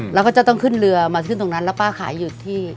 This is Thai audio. แล้วก็จะต้องขึ้นเรือมาขึ้นตรงนั้นแล้วป้าขายหยุดที่